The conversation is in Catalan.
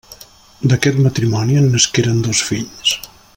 D'aquest matrimoni en nasqueren dos fills.